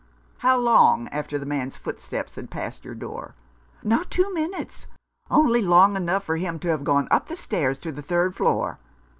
" How long after the man's footsteps had passed your door ?" "Not two minutes. Only long enough for him to have gone up the stairs to the third floor."